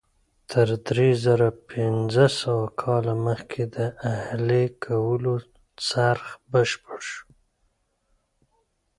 تر درې زره پنځه سوه کاله مخکې د اهلي کولو څرخ بشپړ شو.